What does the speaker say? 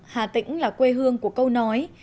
hà tĩnh là quê hương của câu nói